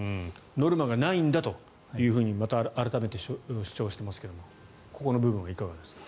ノルマはないんだと改めて主張していますがここの部分はいかがですか？